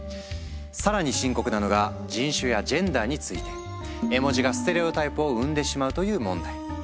更に深刻なのが人種やジェンダーについて絵文字がステレオタイプを生んでしまうという問題。